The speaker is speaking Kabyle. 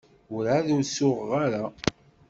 Werɛad ur suɣeɣ ara.